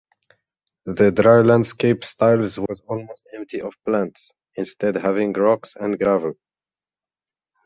The "dry landscape" styles was almost empty of plants, instead having rocks and gravel.